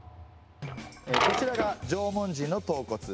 こちらが縄文人の頭骨。